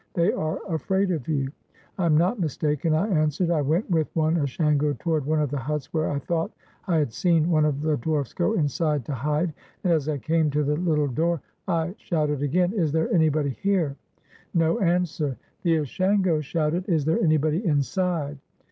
They are afraid of you." *'I am not mis taken," I answered. I went with one Ashango toward one of the huts where I thought I had seen one of the dwarfs go inside to hide, and as I came to the Httle door I shouted again, *'Is there anybody here?" No answer. The Ashango shouted, "Is there anybody inside?"